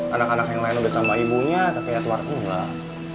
anak anak yang lain udah sama ibunya tapi ya keluarga